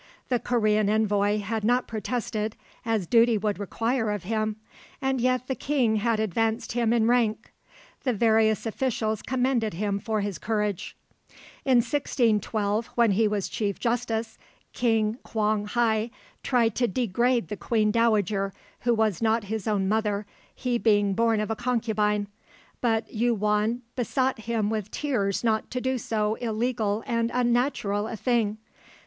The Korean envoy had not protested, as duty would require of him, and yet the King had advanced him in rank. The various officials commended him for his courage. In 1612, while he was Chief Justice, King Kwang hai tried to degrade the Queen Dowager, who was not his own mother, he being born of a concubine, but Yu won besought him with tears not to do so illegal and unnatural a thing.